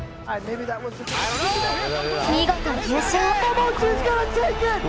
見事優勝！